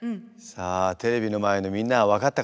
さあテレビの前のみんなは分かったかな？